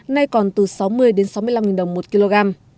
nay còn từ sáu mươi đến sáu mươi năm đồng một kg